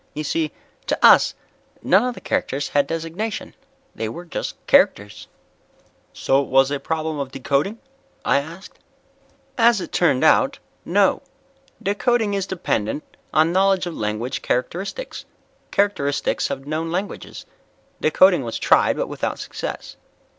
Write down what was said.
You see, to us none of the characters had designation. They were just characters." "So it was a problem of decoding?" I asked. "As it turned out, no. Decoding is dependent on knowledge of language characteristics characteristics of known languages. Decoding was tried, but without success.